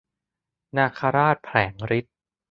นาคราชแผลงฤทธิ์